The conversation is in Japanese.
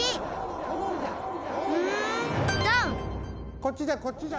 こっちじゃこっちじゃ！